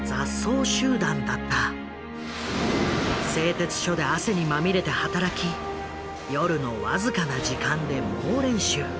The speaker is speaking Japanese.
製鉄所で汗にまみれて働き夜の僅かな時間で猛練習。